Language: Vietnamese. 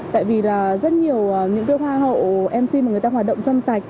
tại vì là rất nhiều những cái hoa hậu mc mà người ta hoạt động trong sạch